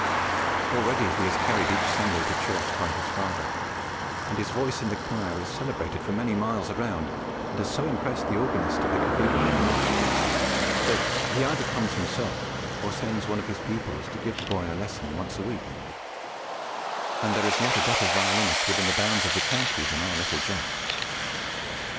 Already he is carried each Sunday to church by his father, and his voice in the choir is celebrated for many miles round, and has so impressed the organist at the cathedral at Marshford that he either comes himself, or sends one of his pupils, to give the boy a lesson once a week, and there is not a better violinist within the bounds of the county than our little Jack is.